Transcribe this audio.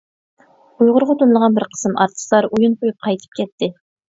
ئۇيغۇرغا تونۇلغان بىر قىسىم ئارتىسلار ئويۇن قويۇپ قايتىپ كەتتى.